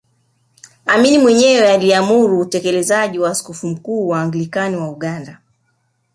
Amin mwenyewe aliamuru utekelezaji wa Askofu Mkuu wa Anglican wa Uganda